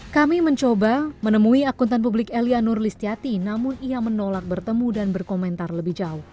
kami mencoba menemui akuntan publik elia nurlistiati namun ia menolak bertemu dan berkomentar lebih jauh